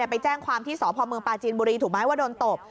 ไปแจ้งความที่สพเมืองปาจีนบุรีถูกไหมว่าโดนตบ